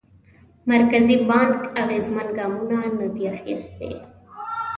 مرکزي بانک اغېزمن ګامونه ندي اخیستي.